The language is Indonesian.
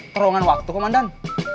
terowongan waktu komandan